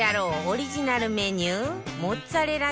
オリジナルメニュー